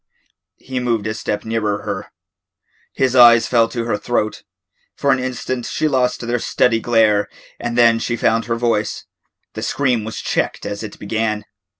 He moved a step nearer her. His eyes fell to her throat. For an instant she lost their steady glare and then she found her voice. The scream was checked as it began.